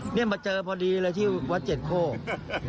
มาเจอพอดีที่วัดเจ็ดโภค